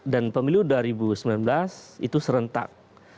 dan pemilu dua ribu sembilan belas itu serentak